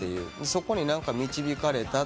そこに導かれた。